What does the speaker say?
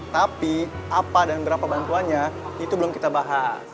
tapi apa dan berapa bantuannya itu belum kita bahas